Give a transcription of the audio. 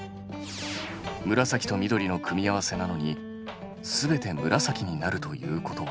紫と緑の組み合わせなのに全て紫になるということは？